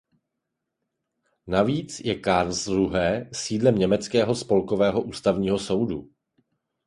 Navíc je Karlsruhe sídlem německého Spolkového ústavního soudu.